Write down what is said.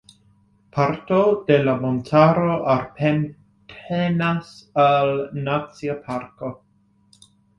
Parto de la montaro apartenas al Nacia parko.